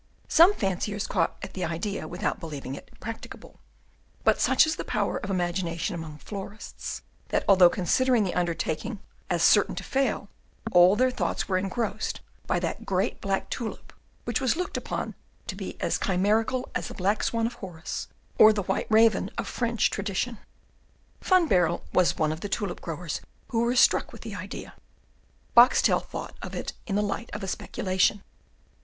Some fanciers caught at the idea without believing it practicable, but such is the power of imagination among florists, that although considering the undertaking as certain to fail, all their thoughts were engrossed by that great black tulip, which was looked upon to be as chimerical as the black swan of Horace or the white raven of French tradition. Van Baerle was one of the tulip growers who were struck with the idea; Boxtel thought of it in the light of a speculation.